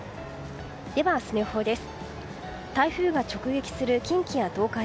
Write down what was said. では、明日の予報です。